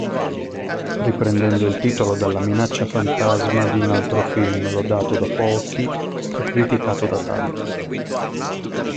Riprendendo il titolo dalla minaccia fantasma di un altro film lodato da pochi e criticato da tanti.